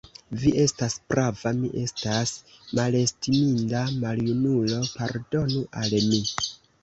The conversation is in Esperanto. Vi estas prava, mi estas malestiminda maljunulo; pardonu al mi.